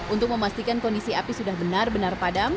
untuk memastikan kondisi api sudah benar benar padam